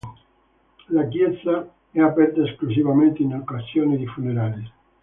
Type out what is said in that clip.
La chiesa è aperta esclusivamente in occasione di funerali.